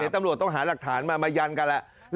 ตำรวจต้องหาหลักฐานมามายันกันแหละ